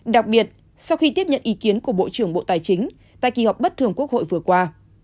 đặc biệt sau khi tiếp nhận ý kiến của bộ trưởng bộ tài chính tại kỳ họp bất thường quốc hội vừa qua